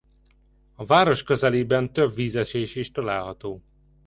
A város közelében több vízesés is található.